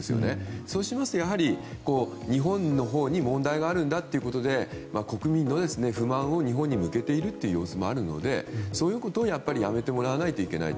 そうすると、日本のほうに問題があるんだということで国民の不満を日本に向けているという様子もあるのでそういうことをやめてもらわないといけない。